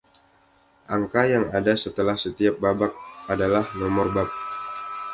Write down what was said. Angka yang ada setelah setiap babak adalah nomor bab.